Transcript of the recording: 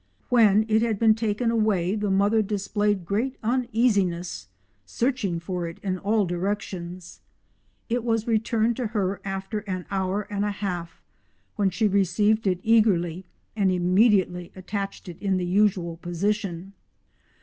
When it had been taken away the mother displayed great uneasiness, searching for it in all directions. It was returned to her after an hour and a half, when she received it eagerly and immediately attached it in the usual position.